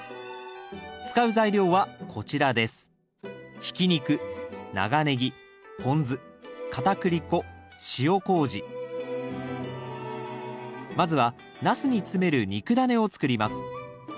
使う材料はこちらですまずはナスに詰める肉だねを作ります。